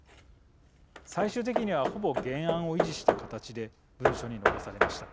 最終的にはほぼ原案を維持した形で文書に残されました。